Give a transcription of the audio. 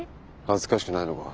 恥ずかしくないのか。